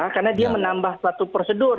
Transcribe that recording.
karena dia menambah satu prosedur